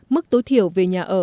mức tối thiểu về nhà ở